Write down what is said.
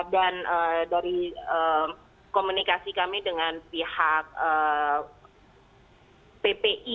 dan dari komunikasi kami dengan pihak ppi